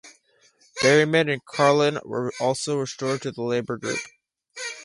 Berryman and Carlin were also restored to the Labour group.